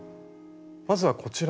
まずはこちらの。